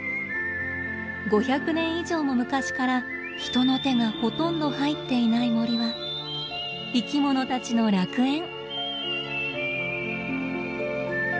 ５００年以上も昔から人の手がほとんど入っていない森は生きものたちの楽園。